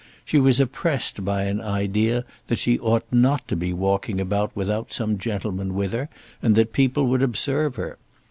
She was oppressed by an idea that she ought not to be walking about without some gentleman with her, and that people would observe her.